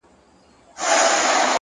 هر منزل نوی مسؤلیت درسپاري!